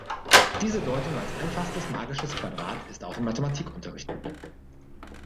Diese Deutung als einfachstes magisches Quadrat ist auch im Mathematikunterricht beliebt.